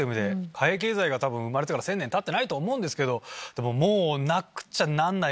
貨幣経済が生まれてから１０００年たってないと思うけどもうなくちゃなんないもので。